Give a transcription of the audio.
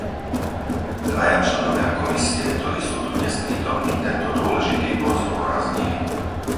Dvaja členovia Komisie, ktorí sú tu dnes prítomní, tento dôležitý bod zdôraznili.